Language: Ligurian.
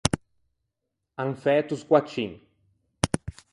An fæto scoaccin.